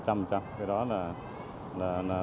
cái đó là